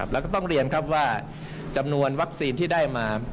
แล้วก็ต้องเรียนครับว่าจำนวนวัคซีนที่ได้มา